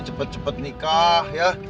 cepet cepet nikah ya